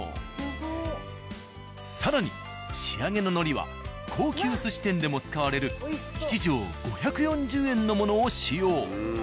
更に仕上げののりは高級寿司店でも使われる１帖５４０円のものを使用。